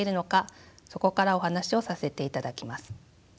そこからお話をさせていただきます。